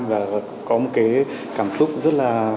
và có một cái cảm xúc rất là